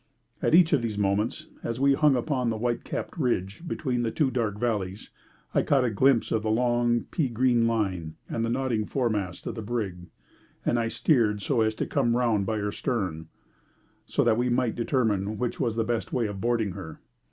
At each of these moments, as we hung upon a white capped ridge between the two dark valleys, I caught a glimpse of the long, pea green line, and the nodding foremast of the brig, and I steered so as to come round by her stern, so that we might determine which was the best way of boarding her.